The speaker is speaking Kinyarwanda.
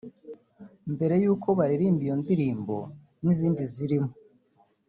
Mbere y’uko baririmba iyo ndirimbo n’izindi zirimo